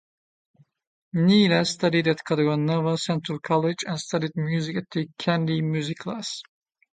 Neela studied at Kadugannawa Central College and studied music at the Kandy Music Class.